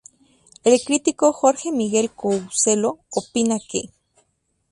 El crítico Jorge Miguel Couselo opina que